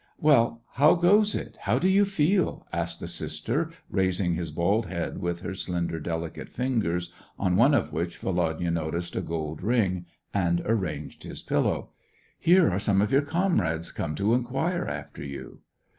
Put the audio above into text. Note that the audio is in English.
"Well, how goes it, how do you feel.'*" asked the sister, raising his bald head with her slender, delicate fingers, on one of which Volodya noticed a gold ring, and arranging his pillow. " Here are some of your comrades come to inquire after you.'